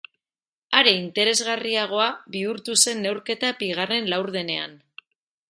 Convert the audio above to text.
Are interesgarriagoa bihurtu zen neurketa bigarren laurdenean.